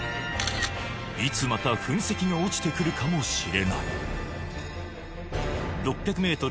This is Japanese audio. いつまた噴石が落ちてくるかもしれない６００ｍ